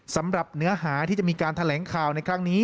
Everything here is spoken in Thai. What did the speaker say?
สำหรับเนื้อหาที่จะมีการแถลงข่าวในครั้งนี้